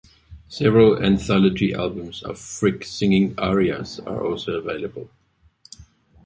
Several anthology albums of Frick singing arias are also available.